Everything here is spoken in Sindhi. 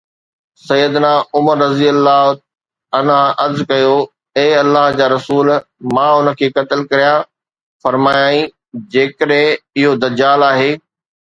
سَيِّدُنا عمر رضي الله عنه عرض ڪيو: اي الله جا رسول، مان ان کي قتل ڪريان، فرمايائين: جيڪڏهن اهو دجال آهي.